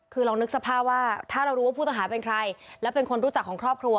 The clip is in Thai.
คือลองนึกสภาพว่าถ้าเรารู้ว่าผู้ต้องหาเป็นใครและเป็นคนรู้จักของครอบครัว